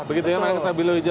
begitu yang kena stabilo hijau